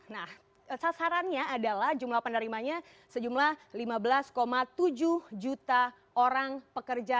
nah sasarannya adalah jumlah penerimanya sejumlah lima belas tujuh juta orang pekerja